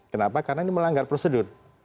kenapa karena ini melanggar prosedur